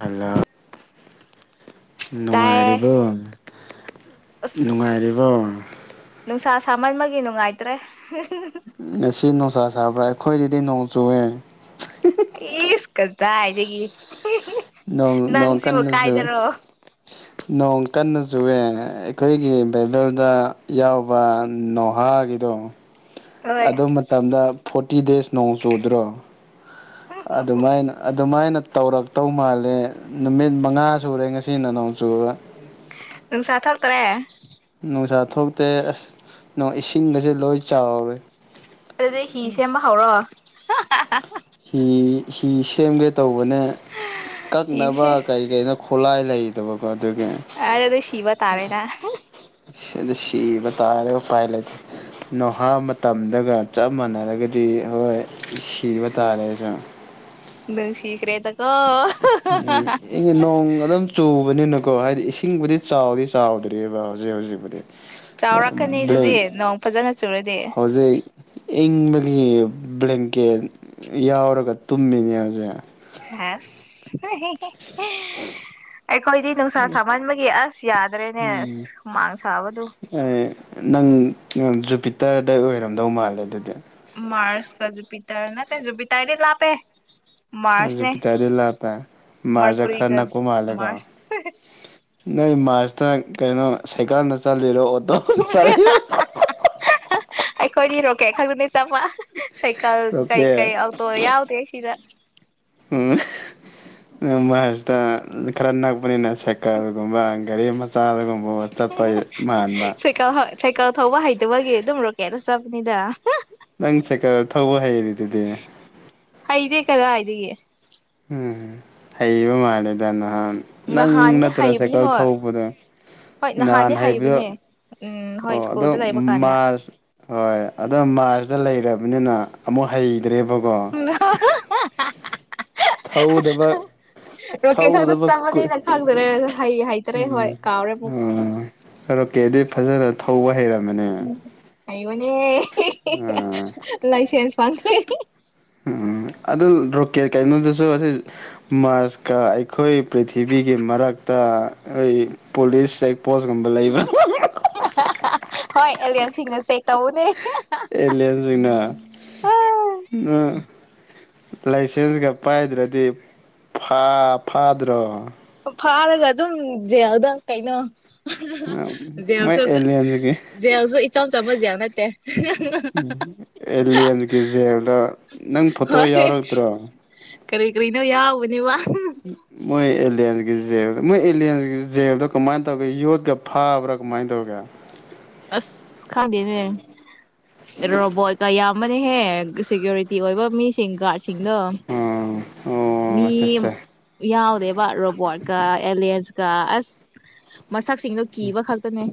hello ꯇꯥꯏꯌꯦ ꯅꯨꯡꯉꯥꯏꯔꯤꯕꯣ ꯑꯁ ꯅꯨꯡꯉꯥꯏꯔꯤꯕꯣ ꯅꯨꯡꯁꯥ ꯁꯥꯃꯟꯕꯒꯤ ꯅꯨꯡꯉꯥꯏꯇ꯭ꯔꯦ ꯁꯤ ꯅꯅꯨꯡ ꯆꯥ ꯆꯕ꯭ꯔꯥ ꯑꯩꯈꯣꯏ ꯗꯤ ꯅꯧꯖꯋꯦ ꯌꯦꯁ ꯀ ꯀꯗꯒ ꯅꯣꯡ ꯅꯣꯡ ꯀꯟꯅꯁꯨ ꯅꯣꯡ ꯀꯟꯅ ꯆꯨꯋꯦ ꯑꯩꯈꯣꯏꯒꯤ ꯕꯥꯕꯦꯜꯗ ꯌꯥꯎꯕ ꯅꯣꯍꯥꯒꯤꯗꯣ ꯍꯣꯏ ꯑꯗꯨ ꯃꯇꯝꯗ ꯐꯣꯔꯇꯤ ꯗꯦꯖ ꯅꯣꯡ ꯆꯨꯗ꯭ꯔꯣ ꯑꯗꯨꯃꯥꯏꯅ ꯑꯗꯨꯃꯥꯏꯅ ꯇꯧꯔꯛꯇꯧ ꯃꯥꯜꯂꯦ ꯅꯨꯃꯤꯠ ꯃꯉꯥ ꯁꯨꯔꯦ ꯉꯁꯤ ꯅ ꯅꯣꯡ ꯆꯨꯕ ꯅꯪ ꯁꯥꯠ ꯍꯥ ꯇꯔꯦ ꯅꯨꯡꯁꯥ ꯊꯣꯛꯇꯦ ꯑꯁ ꯏꯁꯤꯡꯒꯁꯦ ꯂꯣꯏ ꯆꯥꯎꯔꯦ ꯑꯗꯨꯗꯤ ꯍꯤ ꯁꯦꯝꯕ ꯍꯧꯥꯎꯔꯣ [inaudible] ꯍꯤ ꯁꯦꯝꯒꯦ ꯇꯧ ꯑꯩꯈꯣꯏꯅ ꯀꯛꯅꯕ ꯀꯔꯤ ꯀꯔꯤꯅꯣ ꯈꯣꯠꯂꯥꯏ ꯂꯩ ꯑꯔꯦꯗ ꯁꯤꯤꯕ ꯇꯥ ꯅ ꯁꯤꯗ ꯁꯤꯕ ꯇꯥꯔꯦ ꯎꯄꯥꯏ ꯂꯩꯇꯦ ꯅꯣꯍꯥ ꯃꯇꯝꯗꯒ ꯆꯞ ꯃꯥꯟꯅꯔꯒꯗꯤ ꯍꯣꯏ ꯁꯤꯕ ꯇꯥꯔꯦꯁꯨ ꯅ ꯁꯈꯔꯦꯗ ꯎꯝ ꯅꯣꯡ ꯑꯗꯨꯝ ꯆꯨꯕꯅꯤꯅ ꯀꯣ ꯍꯥꯏꯗꯤ ꯏꯁꯤꯡꯕꯨꯗꯤ ꯆꯥꯎꯗꯤ ꯆꯥꯎꯗ꯭ꯔꯤꯕꯑꯔꯤꯕ ꯍꯧꯖꯤꯛ ꯍꯧꯖꯤꯛꯄꯨꯗꯤ ꯭ꯂ ꯆꯥꯎꯔꯛꯀꯅꯤ ꯑꯗꯨꯗꯤ ꯅꯣꯡ ꯐꯖꯅ ꯆꯨꯔꯗꯤ ꯍꯧꯖꯤꯩ ꯏ ꯒꯤ ꯕ꯭ꯂꯦꯡꯀꯦꯠ ꯌꯥꯎꯔꯒ ꯇꯨꯝꯃꯤꯅꯦ ꯍꯧꯁꯦ ꯑꯥꯁ ꯑꯩꯈꯣꯏꯗꯤ ꯅꯨꯡꯁꯥ ꯁꯥꯃꯟꯕꯒꯤ ꯑꯁ ꯌꯥꯗ꯭ꯔꯦꯅꯦ ꯑꯁ ꯍꯨꯃꯥꯡ ꯁꯥꯕꯗꯨ ꯖꯨꯄꯤꯇꯔꯗꯩ ꯑꯣꯏꯔꯝꯗꯧ ꯃꯥꯜꯂꯦ ꯑꯗꯨꯗꯤ ꯃꯥꯔꯁ ꯀ ꯖꯨꯄꯤꯤꯇꯔ ꯅ ꯖꯨꯕꯤꯇꯔꯗꯤ ꯂꯥꯄꯦ ꯃ ꯄꯇꯥꯗꯤ ꯂꯄ ꯃꯥꯥꯖ ꯈꯔꯅꯥ ꯃꯔꯀꯨꯔꯤꯒ ꯀꯣ ꯃꯥꯂꯦꯒ ꯃꯥꯔꯁ ꯅ ꯃꯥꯔꯖꯇ ꯀꯩꯅꯣ ꯁꯥꯏꯀꯜꯗ ꯆꯠꯂꯤꯔꯣ ꯑꯣꯣ ꯁꯔꯦ ꯀꯩ ꯈꯔꯅꯦ ꯆꯞ ꯁꯥꯏꯀꯜ ꯀꯩꯀꯩ ꯑꯣꯀꯦ ꯑꯣꯇꯣ ꯌꯥꯎꯗꯦ ꯁꯤꯗ ꯎꯝ ꯃꯥꯁꯤꯗ ꯈꯔ ꯅꯛꯄꯅꯤꯅ ꯁꯀꯔꯒꯨꯝꯕ ꯔꯤꯃ ꯁꯥꯏꯀ ꯁꯥꯏꯀꯜ ꯊꯧꯕ ꯍꯩꯇꯕꯒꯤ ꯑꯗꯨꯝꯔꯣꯀꯦꯅ ꯁꯕꯅꯤꯗ ꯅꯪ ꯆꯀꯔ ꯊꯧꯕ ꯍꯩꯔꯤꯗꯨꯗꯤ ꯍꯗꯦ ꯀꯗꯥ ꯏꯒ ꯎꯝ ꯍꯩꯕ ꯃꯥꯦꯗꯅ ꯅꯪ ꯅꯍꯥꯟꯗꯤ ꯅꯠꯇ꯭ꯔꯥ ꯍꯩꯕꯅꯤ ꯁꯥꯏꯀꯜ ꯍꯣꯏ ꯊꯧꯕꯗꯣ ꯍꯣꯏ ꯅꯍꯥꯟꯗꯤ ꯅꯍꯥꯟ ꯍꯩꯕꯗꯣ ꯍꯩꯕꯅꯦ ꯎꯝ ꯍꯣꯏ ꯑꯣ ꯑꯗꯣ ꯁ꯭ꯀꯨꯜꯗ ꯂꯩꯕ ꯀꯥꯟꯗ ꯃꯥꯔꯁ ꯍꯣꯏ ꯑꯣ ꯃꯥꯔꯁ ꯐꯖ ꯂꯩꯔꯕꯅꯤꯅ ꯑꯃꯨꯛ ꯍꯩ ꯗ꯭ꯔꯦꯕꯒꯣ ꯊꯧꯗꯕ ꯔꯣꯀꯦ ꯈꯛꯇ ꯊꯧꯗꯕ ꯀꯨꯏ ꯆꯪꯉꯅꯤꯅ ꯈꯪꯖꯔꯦ ꯍꯩ ꯍꯩꯇꯔꯦ ꯍꯣꯏ ꯀꯥꯎꯔꯦ ꯑꯃꯨꯛ ꯀꯔꯣꯀꯦ ꯑꯗꯨ ꯐꯖꯅ ꯊꯧꯕ ꯍꯩꯔꯕꯝꯃꯦ ꯃꯅꯦ ꯍꯥꯏꯥꯏꯕꯅꯦ ꯂꯥꯏꯁꯦꯟꯦꯟꯁ ꯐ꯭ꯔꯦ ꯎꯝ ꯑꯗꯨ ꯔꯣꯀꯦꯠ ꯀꯩꯅꯣꯗꯨꯁꯨ ꯑꯁꯤ ꯃꯥꯔꯁꯀ ꯑꯩꯈꯣꯏ ꯄ꯭ꯔꯤꯊꯤꯕꯤꯒꯤ ꯃꯔꯛꯇ ꯑꯩ ꯄꯨꯂꯤꯁ ꯄꯣꯁꯀꯨꯝꯕ ꯂꯩꯕ꯭ꯔ ꯁꯤꯁꯤꯡꯅ ꯑꯦꯂꯅꯖꯤꯡꯅꯥ ꯂꯥꯏꯁꯦꯟꯁꯀ ꯄꯥꯏꯗ꯭ꯔꯗꯤ ꯐꯥꯗ꯭ꯔꯣ ꯐꯥꯔꯒ ꯑꯗꯨꯝ ꯌꯦꯦꯜꯗ ꯀꯩꯅꯣ ꯃꯣꯏ ꯖꯦꯜꯁꯨ ꯑꯦꯂꯤꯟꯁꯒꯤ ꯖꯦꯜꯁꯨ ꯏꯆꯝ ꯆꯝꯕ ꯖꯦꯜ ꯅꯠꯇꯦ ꯑꯦꯂꯤꯟꯁꯀꯤ ꯖꯦꯜꯗ ꯅꯪ ꯐꯣꯇꯣ ꯍꯣꯏ ꯌꯥꯎꯔꯛꯇ꯭ꯔꯣ ꯀꯔꯤ ꯀꯔꯤꯅꯣ ꯌꯥꯎꯕꯅꯦꯕ ꯃꯣꯏ ꯑꯦꯗꯤ ꯖꯦꯜꯗ ꯃꯣꯏ ꯑꯦꯂꯤꯌꯟꯁꯒꯤ ꯖꯦꯜꯗꯣ ꯀꯃꯥꯏꯅ ꯇꯧꯒꯦ ꯌꯣꯠꯀ ꯐꯥꯕ꯭ꯔꯥ ꯀꯃꯥꯏꯅ ꯇꯧꯒꯦ ꯑꯁ ꯈꯥꯗꯦꯅꯦ ꯕꯣ ꯀ ꯌꯥꯝ ꯑꯃ ꯍꯦ ꯁꯦꯀ꯭ꯌꯨꯔꯤꯇꯤ ꯑꯣꯏꯕ ꯃꯤꯁꯤꯡ ꯒꯥꯔꯗ ꯗ ꯑꯣ ꯃꯤ ꯑꯠꯆꯥ ꯑꯠꯆꯥ ꯌꯥ ꯕ ꯔꯣꯕꯣꯠ ꯀ ꯑꯦꯂꯤꯟꯁ ꯀ ꯑ ꯃꯁꯛꯁꯤꯡꯗꯨꯣ ꯀꯤꯕ ꯈꯛꯇꯅꯦ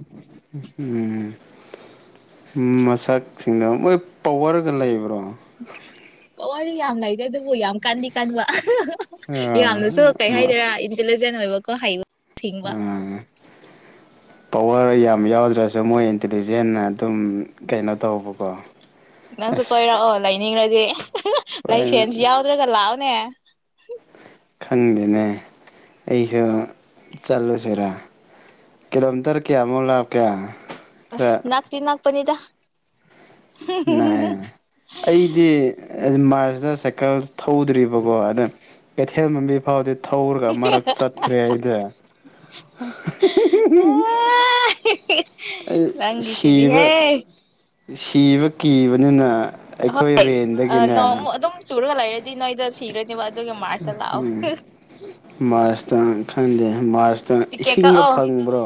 ꯎ ꯃꯁꯛꯁꯤꯡꯗ ꯃꯣꯏ ꯄꯋꯔꯒ ꯂꯩꯕ꯭ꯔꯣ ꯑꯣꯏ ꯌꯥꯝ ꯂꯩꯗ ꯑꯗꯨ ꯀꯣꯛ ꯌꯥꯝ ꯀꯟꯗꯤ ꯀꯟꯕ ꯑꯍ ꯑꯍ ꯑꯍ ꯑꯥ ꯌꯥꯝꯅꯁꯨ ꯀꯩ ꯍꯥꯏꯗꯣꯏꯔꯥ ꯏꯟꯇꯤꯂꯤ ꯖꯦꯟ ꯑꯣꯏꯕꯀꯣ ꯍꯩꯕ ꯁꯤꯡꯕ ꯑꯥ ꯄꯋꯥꯔ ꯌꯥꯝ ꯌꯥꯎꯗ꯭ꯔꯁꯨ ꯃꯣꯏ ꯏꯟꯇꯤꯂꯤꯖꯦꯟꯅ ꯑꯗꯨꯝ ꯀꯩꯅꯣ ꯇꯧꯕꯀꯣ ꯅꯪꯁꯨ ꯑꯁ ꯀꯣꯏꯔꯛꯑꯣ ꯂꯩꯅꯤꯡꯔ ꯗꯤ ꯑꯦ ꯑꯍ ꯍ ꯍꯣꯏ ꯂꯥꯏꯁꯦꯟꯁ ꯌꯥꯎꯗ꯭ꯔꯒ ꯂꯥꯛꯑꯣꯅꯦ ꯍꯨꯝ ꯈꯪꯗꯦꯅꯦ ꯑꯩꯁꯨ ꯆꯠꯂꯨꯁꯤꯔꯥ ꯀꯤꯂꯣꯃꯤꯇꯔ ꯀꯌꯥꯃꯨꯛ ꯂꯥꯞꯀꯦ ꯑꯁ ꯅꯛꯇꯤ ꯅꯛ ꯄꯅꯤꯗ ꯅꯛꯑꯦ ꯑꯩꯗꯤ ꯑ ꯃꯥꯔ ꯁꯇ ꯁꯥꯏꯀꯜ ꯊꯧꯗ꯭ꯔꯤꯕꯀꯣ ꯑꯗ ꯀꯩꯊꯦꯜ ꯃꯝꯕꯤ ꯐꯥꯎꯗꯤ ꯊꯧꯔꯒ ꯑꯃꯔꯛ ꯆꯠꯈ꯭ꯔꯦ ꯑꯩꯗꯤ ꯑ ꯍꯤ ꯍꯤ ꯍꯤ ꯍꯤ ꯑꯩ ꯁꯤꯕ ꯅꯪꯒꯤꯁꯤꯗꯤꯍꯦ ꯁꯤꯕ ꯀꯤꯕꯅꯤꯅ ꯑꯩꯈꯣꯏ ꯍꯣꯏ ꯑ ꯔꯦꯟꯗꯒꯤꯅꯦ ꯅꯣꯡꯃꯨꯛ ꯑꯗꯨꯝ ꯆꯨꯔꯒ ꯂꯩꯔꯦ ꯗꯤ ꯅꯣꯏꯗ ꯁꯤꯔ ꯎꯝ ꯃꯥꯔꯁꯇ ꯈꯪꯗꯦ ꯃꯥꯔꯁꯇ ꯇꯤꯛꯀꯦꯠ ꯏꯁꯤꯡꯒ ꯀꯛꯑꯣ ꯐꯪꯕ꯭ꯔꯣ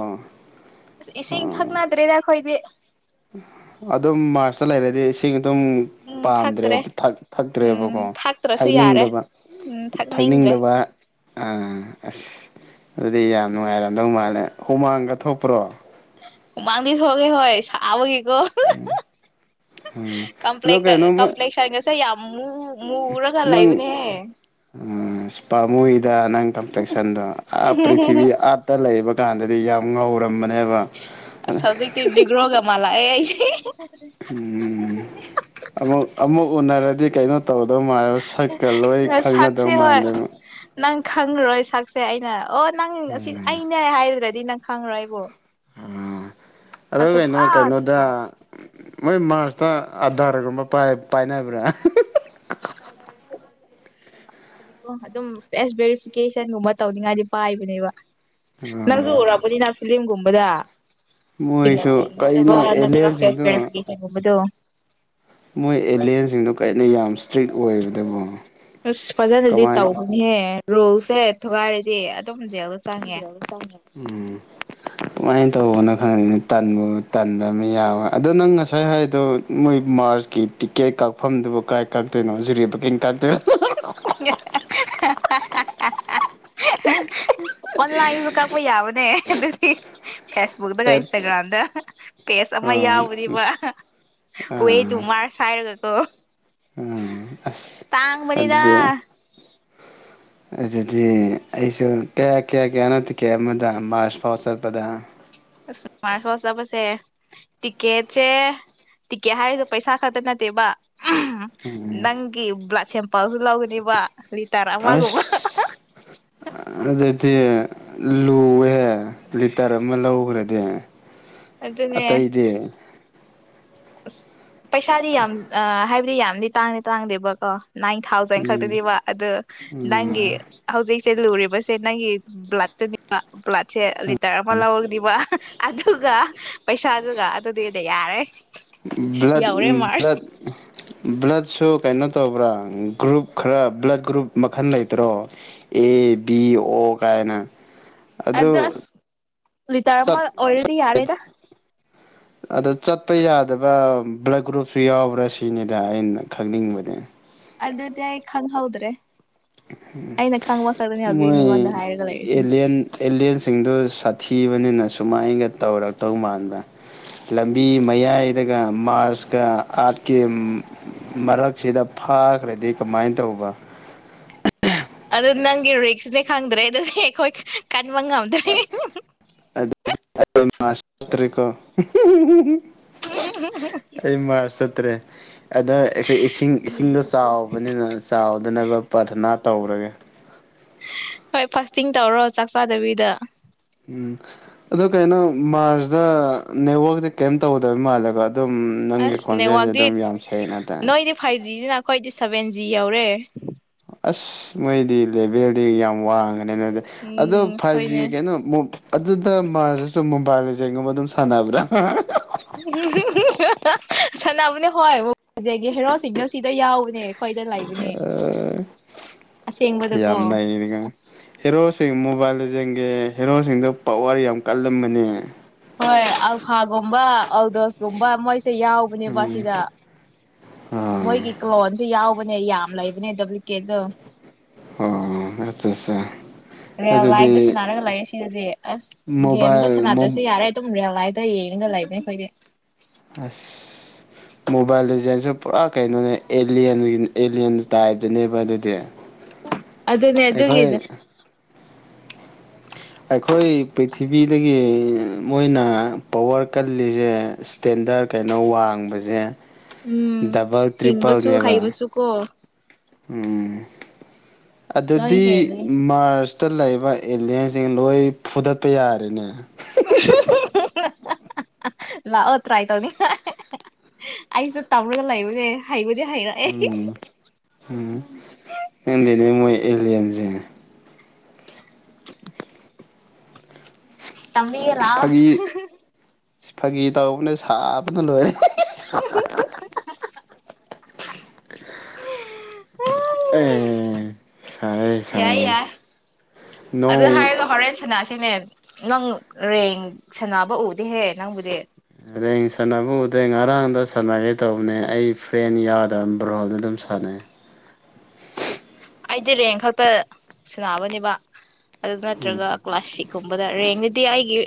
ꯏꯁꯤꯡ ꯊꯛꯅꯗ꯭ꯔꯦꯗ ꯑꯈꯣꯏꯗꯤ ꯑꯗꯨꯝ ꯃꯥꯔꯁꯇ ꯂꯩꯔꯗꯤ ꯏꯁꯤꯡ ꯑꯗꯨꯝ ꯎꯝ ꯄꯥꯝꯗ꯭ꯔꯦ ꯊꯛꯇ꯭ꯔꯦ ꯊ ꯊꯛ ꯊꯛꯇ꯭ꯔꯦꯕꯀꯣ ꯎꯝ ꯊꯥꯛꯇ꯭ꯔꯁꯨ ꯌꯥꯔꯦ ꯊꯛꯅꯤꯡꯗꯕ ꯎꯝ ꯊꯛꯅꯤꯡꯗ꯭ꯔꯦ ꯊꯛꯅꯤꯡꯗꯕ ꯑꯥ ꯑꯁ ꯑꯗꯨꯗꯤ ꯌꯥꯝ ꯅꯨꯡꯉꯥꯏꯔꯝꯗꯧ ꯃꯥꯜꯂꯦ ꯍꯨꯃꯥꯡꯒ ꯊꯣꯛꯄ꯭ꯔꯣ ꯍꯨꯃꯥꯡꯗꯤ ꯊꯣꯛꯏ ꯍꯣꯏ ꯁꯥꯕꯒꯤ ꯎꯝ ꯎꯝ ꯑꯗꯣ ꯀꯝꯄ꯭ꯂꯦꯛ ꯀꯩꯅꯣꯃ ꯀꯝꯄ꯭ꯂꯦꯛꯁꯟꯒꯁꯦ ꯌꯥꯝ ꯃꯨ ꯃꯨꯔꯒ ꯅꯪ ꯂꯩꯕꯅꯦꯍꯦ ꯑꯑ ꯑꯁ ꯄꯥꯃꯨꯏꯗ ꯅꯪ ꯀꯝꯄ꯭ꯂꯦꯛꯁꯟꯗꯣ ꯑꯥ ꯄ꯭ꯔꯤꯊꯤꯕꯤ ꯑꯥꯔꯠꯇ ꯂꯩꯕ ꯀꯥꯟꯗꯗꯤ ꯌꯥꯝ ꯉꯧꯔ ꯑꯁ ꯍꯧꯖꯤꯛꯇꯤ ꯅꯦꯒ꯭ꯔꯣꯒ ꯃꯥꯜ ꯕ꯭ꯂ ꯑꯩ ꯑꯩ ꯁꯦ ꯍꯤ ꯍꯤ ꯎꯝ ꯑꯃꯨꯛ ꯑꯃꯨꯛ ꯎꯅꯔ ꯗꯨꯗꯤ ꯀꯩꯩꯅꯣ ꯇꯧꯗꯧ ꯃꯥꯜꯂꯕ ꯁꯛꯀ ꯂꯣꯏ ꯈꯪꯅꯗꯧ ꯃꯥꯟꯗꯕ ꯈꯪꯉꯔꯣꯏ ꯁꯛꯁꯦ ꯑꯩꯅ ꯑꯣ ꯅꯪ ꯁꯤ ꯑꯅꯦ ꯍꯥꯏꯗ꯭ꯔꯦ ꯑꯗꯨꯗꯤ ꯅꯪ ꯈꯪꯉ꯭ꯔꯣ ꯑꯩꯕꯨꯣ ꯑ ꯑ ꯀꯩꯅꯣ ꯄꯨꯔꯥ ꯀꯩꯅꯣꯗ ꯇꯣꯉꯥꯜꯂꯦꯕ ꯃꯣꯏ ꯃꯥꯔꯁꯇ ꯑꯙꯔꯒꯨꯝꯕ ꯄꯥꯏꯅꯕ꯭ꯔꯥ ꯣ ꯑꯗꯨꯝꯁ ꯚꯦꯔꯤꯐꯤꯀꯦꯁꯟꯒꯨꯝꯕ ꯇꯧꯅꯤꯡꯉꯥꯏꯗꯤ ꯄꯥꯏꯕꯅꯦꯕ ꯅꯪꯖꯔꯕꯅꯤ ꯅꯁꯤꯂꯝꯝꯒꯨꯝ ꯃꯗꯥ ꯃꯣꯏꯁꯨ ꯀꯩꯅꯣ ꯑꯦꯂꯤꯌꯟꯁꯤꯡꯗꯣ ꯁꯤꯁꯤꯡꯄꯦ ꯃꯣꯏ ꯑꯦꯂꯤꯟꯁꯤꯡꯗꯣ ꯀꯅ ꯌꯥꯝ ꯏꯁꯇ꯭ꯔꯤꯛ ꯑꯣꯏꯕꯇꯕꯨ ꯑꯁ ꯄꯖꯔꯗꯤ ꯇꯥꯎꯅꯦꯦ ꯔꯣꯜꯁꯦ ꯊꯨꯒꯥꯏꯔꯗꯤ ꯑꯗꯨꯝ ꯖꯦꯜꯗ ꯆꯪꯉꯦ ꯝ ꯀꯃꯥꯏꯅ ꯇꯧꯕꯅꯣ ꯈꯪꯉꯅꯤꯅꯦ ꯇꯟꯕꯨ ꯇꯟꯕ ꯑꯃ ꯌꯥꯎꯋꯦ ꯑꯗꯣ ꯅꯪ ꯉꯁꯥꯏ ꯍꯥꯏꯗꯣ ꯃꯣꯏ ꯃꯥꯔꯁꯀꯤ ꯇꯤꯛꯀꯦꯠ ꯀꯛꯐꯝꯗꯨꯕꯨ ꯀꯥꯏ ꯀꯛꯇꯣꯏꯅꯣ ꯍꯧꯖꯤꯔꯤ ꯀꯩ ꯀꯛꯇꯣꯏ [inaudible] ꯑꯣꯟꯂꯥꯏꯟꯁꯨ ꯀꯛꯄ ꯌꯥꯕꯅꯦ ꯑꯗꯨꯗꯤ ꯐꯦꯁꯕꯨꯛꯇꯒ ꯑꯦꯞꯁ ꯏꯟꯁꯇꯥꯒ꯭ꯔꯥꯝꯗ ꯄꯦꯖ ꯑꯃ ꯑꯥ ꯌꯥꯎꯕꯅꯦꯕ ꯋꯦ ꯇꯨ ꯃꯥꯔꯁ ꯍꯥꯏꯔꯒ ꯑ ꯑ ꯑꯁ ꯑꯗꯨꯗꯤ ꯑꯗꯨꯗꯤ ꯑꯩꯁꯨ ꯀꯌꯥ ꯀꯌꯥ ꯀꯌꯥꯅꯣ ꯇꯤꯀꯦꯠ ꯑꯃꯗ ꯃꯥꯔꯁ ꯐꯥꯎ ꯆꯠꯄꯗ ꯑꯁꯃꯥꯏꯅꯆꯕꯁꯦ ꯇꯤꯛꯀꯦꯠꯁꯦ ꯇꯤꯛꯀꯦꯠ ꯍꯥꯏꯔꯤꯗꯣ ꯄꯩꯁꯥ ꯈꯛꯇ ꯅꯠꯇꯦꯕ ꯅꯪꯒꯤꯕ꯭ꯂꯥꯛ ꯁꯦꯝꯦꯝ ꯄꯥꯎꯁꯨ ꯂꯥꯎꯒꯗꯔꯤꯕ ꯑꯁ ꯑꯗ ꯗꯤ ꯂꯨꯍꯦ ꯂꯤꯇꯔ ꯑꯃ ꯂꯧꯈ꯭ꯔꯗꯤ ꯑꯗꯨꯅꯦ ꯑꯇꯩꯗꯤ ꯑꯁ ꯄꯩꯁꯥꯗꯤ ꯌꯥꯝ ꯍꯥꯏꯕꯗꯤ ꯌꯥꯝꯗꯤ ꯇꯥꯡꯗꯤ ꯇꯥꯡꯗꯦꯕꯀꯣ ꯅꯥꯏꯟ ꯊꯥꯎꯖꯟ ꯎꯝ ꯈꯛꯇꯅꯦꯕ ꯑꯗꯨ ꯎꯝ ꯅꯪꯒꯤ ꯍꯧꯖꯤꯛ ꯁꯦ ꯂꯨꯔꯤꯕꯁꯦ ꯅꯪꯒꯤ ꯕ꯭ꯂꯠꯇꯨꯅꯤꯕ ꯕ꯭ꯂꯗꯁꯦ ꯂꯤꯇꯔ ꯑꯃ ꯂꯧꯔꯅꯤꯕ ꯑꯗꯨꯒ ꯄꯩꯁꯥꯗꯨꯒ ꯑꯗꯨꯗꯤꯗ ꯌꯥꯔꯦ ꯭ꯂ꯭ꯂ ꯌꯧꯔꯦ ꯃꯥꯔꯁ ꯕ꯭ꯂꯠ ꯁꯣ ꯀꯩꯅꯣ ꯇꯧꯕ꯭ꯔꯥ ꯒ꯭ꯔꯨꯞ ꯈꯔ ꯕ꯭ꯂꯠ ꯒ꯭ꯔꯨꯞ ꯃꯈꯜ ꯂꯩꯇ꯭ꯔꯣ ꯑꯦ ꯕꯤ ꯑꯣ ꯀꯥꯏꯅ ꯑꯗꯨ ꯑꯦꯗ꯭ꯔꯥꯁ ꯂꯤꯇꯥꯔ ꯑꯃ ꯑꯣꯏꯔꯗꯤ ꯌꯥꯔꯦꯗ ꯑꯗ ꯆꯠꯄ ꯌꯥꯗꯕ ꯕ꯭ꯂꯗ ꯒ꯭ꯔꯨꯞꯁꯨ ꯌꯥꯎꯕ꯭ꯔꯥ ꯁꯤꯅꯤꯗ ꯑꯩꯅ ꯈꯪꯅꯤꯡꯕꯅꯦ ꯑꯗꯗꯤ ꯌꯥꯏꯛ ꯍꯪ ꯍꯥꯎꯗ꯭ꯔꯦ ꯃꯣꯏ ꯅꯉꯣꯟꯗ ꯍꯥꯏꯔꯒ ꯂꯩꯔꯤꯁꯦ ꯑꯦꯟ ꯑꯦꯂꯤꯂꯤꯌꯥꯟꯁꯤꯡꯗꯨ ꯁꯥꯊꯤꯕꯅꯤꯅ ꯁꯨꯃꯥꯏꯅꯒ ꯇꯧꯔꯛꯇꯧ ꯃꯥꯟꯕ ꯂꯝꯕꯤ ꯃꯌꯥꯏꯗꯒ ꯃꯥꯔꯁ ꯑꯥꯔꯠꯀꯤ ꯃꯔꯛꯁꯤꯗ ꯐꯥꯈ꯭ꯔꯗꯤ ꯀꯃꯥꯏꯅ ꯇꯧꯕ ꯑꯗꯨ ꯅꯪꯒꯤ ꯔꯤꯛꯁꯅꯦ ꯈꯪꯗ꯭ꯔꯦ ꯑꯗꯨ ꯑꯩꯈꯣꯏ ꯃ ꯉꯝꯗ ꯃꯥꯁꯇꯔꯤꯀꯣ ꯑꯩ ꯃꯔꯔꯁꯇ꯭ꯔꯦ ꯑꯗ ꯑꯩꯈꯣꯏ ꯏꯁꯤꯡ ꯏꯁꯤꯡꯗꯣ ꯆꯥꯎꯕꯅꯤꯅ ꯆꯥꯎꯗꯅꯕ ꯄꯔꯊꯅꯥ ꯇꯧꯔꯒꯦ ꯍꯣꯏ ꯐꯥꯁꯇꯤꯡ ꯇꯧꯔꯣ ꯆꯥꯛ ꯆꯥꯗꯕꯤꯗ ꯎꯝ ꯑꯗ ꯀꯩꯅꯣ ꯃꯥꯔꯁꯇ ꯅꯦꯠꯋꯥꯛꯁꯦ ꯀꯩꯝ ꯇꯧꯒꯗꯕ ꯃꯥꯜꯂꯦꯀꯣ ꯑꯗꯨꯝ ꯅꯪꯒꯤ ꯑꯁ ꯈꯣꯟꯖꯦꯜꯁꯦ ꯅꯦꯠꯋꯥꯛꯇꯤ ꯑꯗꯨꯝ ꯌꯥꯝ ꯁꯦꯡꯅ ꯇꯦ ꯅꯣꯏꯗꯤ ꯐꯥꯏꯚ ꯖꯤꯅꯤꯅ ꯑꯩꯈꯣꯏꯗꯤ ꯁꯚꯦꯟ ꯖꯤ ꯌꯧꯔꯦ ꯑꯁ ꯃꯣꯏꯗꯤ ꯂꯦꯚꯦꯜꯗꯤ ꯌꯥꯝ ꯋꯥꯡꯉꯦ ꯎꯝ ꯐꯥꯏꯚ ꯍꯣꯏꯅꯦ ꯀꯩꯅꯣ ꯑꯗꯨꯗ ꯃꯣꯕꯥ ꯖꯩꯒꯨꯝꯕ ꯑꯗꯨꯝ ꯁꯥꯟꯅꯕ꯭ꯔꯥ ꯑ ꯁꯥꯟꯅꯕꯅꯦ ꯍꯣꯏꯕ ꯐꯖꯒꯦ ꯍꯦꯔꯣꯁꯤꯡꯗꯣ ꯁꯤꯗ ꯌꯥꯎꯕꯅꯦ ꯑꯩꯈꯣꯏꯗ ꯂꯩꯕꯅꯦ ꯑ ꯑꯁꯦꯡꯕꯗꯀꯣ ꯌꯥꯝꯅꯒ ꯑꯁ ꯍꯔꯣꯁ ꯃꯣꯕꯥꯏꯜ ꯌꯦꯡꯒꯤꯦ ꯍꯦꯔꯣꯁꯤꯡꯗ ꯄ ꯋꯥꯔꯤ ꯌꯥꯝ ꯀꯜꯂꯝꯕꯅꯦ ꯍꯣꯏ ꯑꯜꯐꯥꯒꯨꯝꯕ ꯑꯜꯗꯣꯁꯀꯨꯝꯕ ꯃꯣꯏꯁꯦ ꯌꯥꯎꯕꯅꯦꯕ ꯎꯝ ꯁꯤꯗ ꯑꯥ ꯃꯣꯏꯒꯤ ꯀ꯭ꯂꯂꯣꯟꯁꯨ ꯌꯥꯎꯕ ꯍꯅꯦ ꯌꯥꯝ ꯂꯩꯕꯅꯦ ꯗꯕ꯭ꯂꯤꯎ ꯀꯦꯗ ꯑꯣ ꯑꯠꯆꯥ ꯑꯠꯆꯥ ꯔꯤꯌꯦꯜ ꯂꯥꯏꯐꯇ ꯑꯗꯨꯗꯤ ꯁꯥꯟꯅꯔꯒ ꯂꯥꯛꯑꯦ ꯁꯤꯗꯗꯤ ꯑꯁ ꯒꯦꯝꯗ ꯃꯣꯕꯥꯏꯜ ꯁꯥꯟꯅꯗ꯭ꯔꯁꯨ ꯌꯥꯔꯦ ꯑꯗꯨꯝ ꯔꯤꯌꯦꯜ ꯂꯥꯏꯐ ꯏꯇ ꯌꯦꯡꯅꯤꯡꯒ ꯂꯩꯕꯅꯦ ꯑꯩ ꯐꯣꯏꯔꯦ ꯑꯁ ꯃꯣꯕꯥꯏꯜ ꯗꯤꯖꯥꯏꯟꯁꯨ ꯄꯨꯔꯥ ꯀꯩꯅꯣꯅꯦ ꯑꯦꯌꯟꯒꯤ ꯑꯦꯂꯤꯌꯟ ꯇꯥꯏꯞꯇꯅꯦꯕ ꯑꯗꯨꯗꯤ ꯑꯗꯨꯅꯦ ꯑꯩꯈꯣꯏ ꯑꯗꯨꯒꯤꯅꯦ ꯑꯩꯈꯣꯏ ꯄ꯭ꯔꯤꯊꯤꯕꯤꯗꯒꯤ ꯃꯣꯏꯅ ꯄꯋꯥꯔ ꯀꯜꯂꯤꯁꯦ ꯏꯁꯇꯦꯟꯗꯔꯠ ꯀꯩꯅꯣ ꯋꯥꯡꯕꯁꯦ ꯎꯝ ꯗꯕꯜ ꯍꯤꯡꯕꯁꯨ ꯇ꯭ꯔꯤꯄꯜꯅꯦꯕ ꯍꯩꯕꯁꯨ ꯀꯣ ꯎꯝ ꯂꯣꯏ ꯑꯗꯨꯗꯤ ꯍꯦꯜꯂꯤ ꯃꯥꯔꯆ ꯈꯨꯠꯇ ꯂꯩꯕ ꯑꯦꯂꯤꯟꯁꯤꯡ ꯂꯣꯏ ꯐꯨꯗꯠꯄ ꯌꯥꯔꯦꯅꯦ ꯂꯥꯛꯑꯣ ꯇ꯭ꯔꯥꯏ ꯇꯧꯅꯤ ꯑꯩꯁꯨ ꯇꯧꯔꯒ ꯂꯩꯕꯅꯦ ꯍꯩꯕꯨꯗꯤ ꯍꯩꯔꯛꯑꯦ ꯎꯝꯗꯤꯅꯦ ꯃꯣꯏ ꯑꯦꯂꯤꯟ ꯑꯗꯨ [unintelligible] ꯇꯝꯕꯤꯒꯦ ꯂꯥ ꯆꯐꯒꯤ ꯒꯤ ꯇꯥꯎ ꯃꯅꯦ ꯆꯕꯅ ꯂꯣꯏ [unintelligible] ꯑꯦ ꯁꯔꯦ ꯌꯥꯏ ꯁꯔꯦ ꯌꯥꯏ ꯅꯣꯡ ꯁꯅꯥꯁꯦꯅꯦ ꯅꯪ ꯔꯦꯡ ꯁꯅꯕ ꯎꯗꯍꯦ ꯅꯪꯕꯨꯗꯤ ꯍꯌꯦꯡ ꯁꯥꯟꯅꯕ ꯎꯗ ꯉꯔꯥꯡꯗ ꯁꯥꯟꯅꯒꯦ ꯇꯧꯕꯅꯦ ꯑꯩ ꯐ꯭ꯔꯦꯟ ꯌꯥꯗꯕ ꯕ꯭ꯔꯍꯣꯗ ꯑꯗꯨꯝ ꯁꯥꯟꯅꯩ ꯑꯩꯗꯤ ꯔꯦꯡ ꯈꯛꯇ ꯁꯤꯟꯅꯕꯅꯦꯕ ꯑꯗꯨ ꯅꯠꯇ꯭ꯔꯒ ꯀ꯭ꯂꯥꯁ ꯁꯤꯛꯁꯀꯨꯝꯕꯗ ꯔꯦꯡ ꯗꯤ ꯑꯩꯒꯤ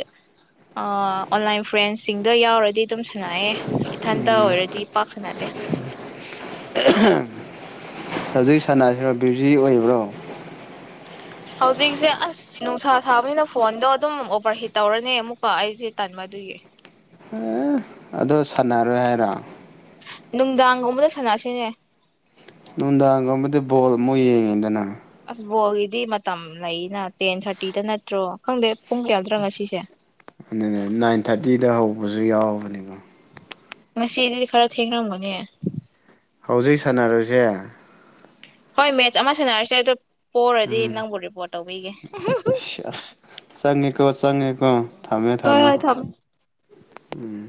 ꯑꯣꯟꯂꯥꯏꯟ ꯐ꯭ꯔꯦꯟꯁꯤꯡꯗ ꯌꯥꯎꯔꯗꯤ ꯑꯗꯨꯝ ꯁꯥꯟꯅꯑꯦ ꯏꯊꯟꯇ ꯑꯣꯏꯔꯗꯤ ꯄꯥꯛ ꯁꯅꯗꯦ ꯍꯧꯖꯤꯛ ꯁꯥꯟꯅꯁꯤꯔꯣ ꯕ꯭ꯌꯨꯖꯤ ꯑꯣꯏꯕ꯭ꯔꯣ ꯍꯧꯖꯤꯛꯁꯦ ꯑꯁ ꯅꯨꯡꯁꯥ ꯁꯥꯕꯅꯤꯅ ꯐꯣꯟꯗꯣ ꯑꯗꯨꯝ ꯑꯣꯕꯔꯍꯤꯠ ꯇꯧꯔꯅꯤ ꯑꯃꯨꯛꯀ ꯑꯩꯁꯦ ꯇꯟꯕꯗꯨꯒꯤ ꯑꯦ ꯑꯗꯨ ꯁꯥꯟꯅꯔꯣꯏ ꯍꯥꯏꯔꯣ ꯅꯨꯡꯗꯥꯡꯒꯨꯝꯕꯗ ꯁꯥꯟꯅꯁꯤꯅꯦ ꯅꯨꯡꯗꯥꯡꯒꯨꯝꯕꯗꯤ ꯕꯣꯜ ꯑꯃꯨꯛ ꯌꯦꯡꯉꯤꯗꯅ ꯍꯣꯗꯤ ꯃ ꯂꯩꯅ ꯇꯦꯟ ꯊꯥꯔꯇꯤꯗ ꯅꯠꯇ꯭ꯔꯣ ꯈꯪꯗꯦ ꯄꯨꯡ ꯌꯥꯗ꯭ꯔꯥ ꯉꯁꯤꯁꯦ ꯑꯗꯨ ꯅꯥꯏꯟ ꯊꯥꯔꯇꯤꯗ ꯍꯧꯕꯁꯨ ꯌꯥꯎꯕꯅꯤꯀꯣ ꯉꯁꯤꯗꯤꯗꯤ ꯈꯔ ꯊꯦꯡꯔꯝꯒꯅꯦ ꯍꯧꯖꯤꯛ ꯁꯥꯟꯅꯔꯁꯦ ꯍꯣꯏ ꯃꯦꯠꯆ ꯑꯃ ꯁꯥꯟꯅꯔꯁꯦ ꯑꯗꯣ ꯄꯔꯗꯤ ꯏꯟꯅꯪꯕꯨꯣꯔꯤꯕꯣꯦ ꯇꯧꯕꯤꯒꯦ ꯑ ꯆꯉꯀꯣ ꯆꯉꯅꯤꯀꯣ ꯊꯝꯃꯦ ꯍꯣꯏ ꯊꯝꯃꯦ ꯍꯣꯏ ꯎꯝ